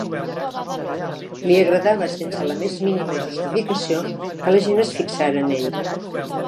Li agradava, sense la més mínima justificació, que la gent es fixara en ell.